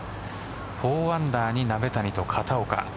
４アンダーに鍋谷と片岡。